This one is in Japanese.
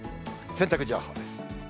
洗濯情報です。